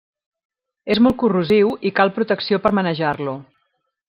És molt corrosiu i cal protecció per manejar-lo.